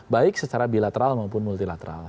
baik secara bilateral maupun multilateral